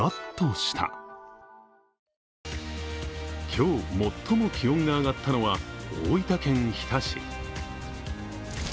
今日、最も気温が上がったのは大分県日田市。